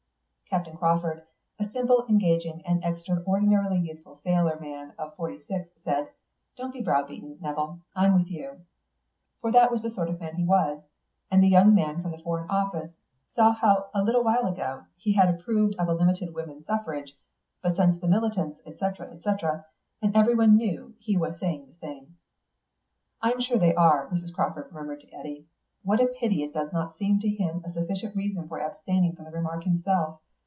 Captain Crawford, a simple, engaging, and extraordinarily youthful sailor man of forty six, said, "Don't be brow beaten, Nevill; I'm with you," for that was the sort of man he was; and the young man from the Foreign Office said how a little while ago he had approved of a limited women's suffrage, but since the militants, etc., etc., and everyone he knew was saying the same. "I am sure they are," Mrs. Crawford murmured to Eddy. "What a pity it does not seem to him a sufficient reason for abstaining from the remark himself.